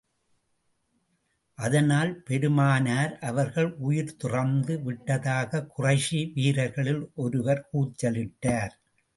அதனால், பெருமானார் அவர்கள் உயிர் துறந்து விட்டதாகக் குறைஷி வீரர்களில் ஒருவர் கூக்குரலிட்டார்.